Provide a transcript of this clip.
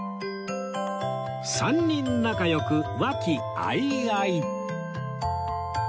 ３人仲良くわきあいあい